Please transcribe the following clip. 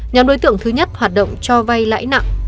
nhóm đối tượng thứ nhất hoạt động cho vay lãi nặng